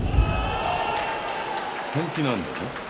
本気なんだね？